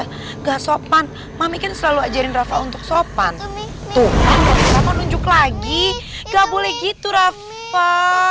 nggak sopan mami kan selalu ajarin rafa untuk sopan tuhan nunjuk lagi gak boleh gitu rafa